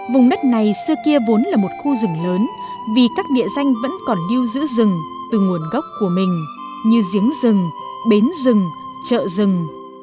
vùng đất này xưa kia vốn là một khu rừng lớn vì các địa danh vẫn còn lưu giữ rừng từ nguồn gốc của mình như giếng rừng bến rừng chợ rừng